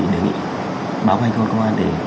đề nghị báo bài cho công an